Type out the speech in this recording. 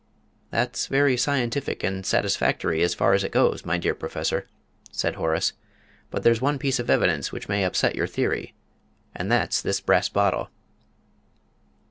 "That's very scientific and satisfactory as far as it goes, my dear Professor," said Horace; "but there's one piece of evidence which may upset your theory and that's this brass bottle."